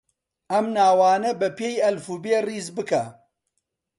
ئەم ناوانە بەپێی ئەلفوبێ ڕیز بکە.